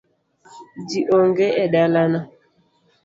Ji onge e dalano.